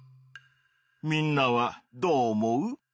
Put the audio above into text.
みんなはどう思う？